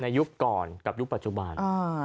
ยุคก่อนกับยุคปัจจุบัน